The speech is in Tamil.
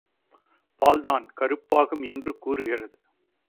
பால்தான் கருப்பாகும் என்று கூறுகிறது.